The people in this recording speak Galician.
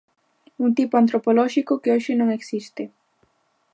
Un tipo antropolóxico que hoxe non existe.